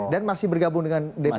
dan masih bergabung dengan dpp p tiga